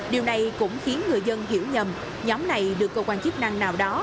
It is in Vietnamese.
điều này cũng khiến người dân hiểu nhầm nhóm này được cơ quan chức năng nào đó